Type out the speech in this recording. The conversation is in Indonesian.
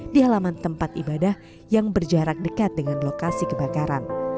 di halaman tempat ibadah yang berjarak dekat dengan lokasi kebakaran